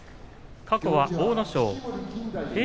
過去は阿武咲平